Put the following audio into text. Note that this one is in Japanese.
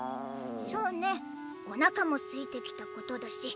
そーねおなかもすいてきたことだし。